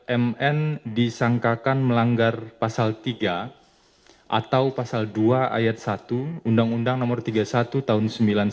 mn disangkakan melanggar pasal tiga atau pasal dua ayat satu undang undang no tiga puluh satu tahun seribu sembilan ratus sembilan puluh sembilan